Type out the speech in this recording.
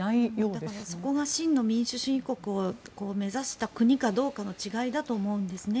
だからそこが真の民主主義国を目指した国かどうかの違いだと思うんですね。